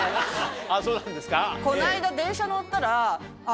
あっそうなんですか。